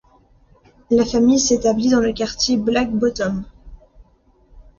La famille s'établit dans le quartier Black Bottom.